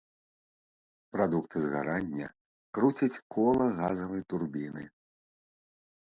Прадукты згарання круцяць кола газавай турбіны.